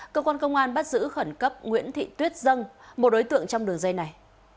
cơ quan công an bắt giữ khẩn cấp nguyễn thị tuyết dân một đối tượng trong đường dây này